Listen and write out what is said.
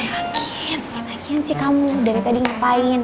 gak yakin gak yakin sih kamu dari tadi ngapain